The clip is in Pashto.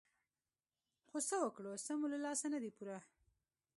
خو څه وکړو څه مو له لاسه نه دي پوره.